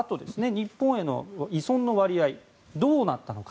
日本への依存の割合どうなったのか。